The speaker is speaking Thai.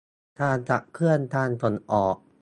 การขับเคลื่อนการส่งออก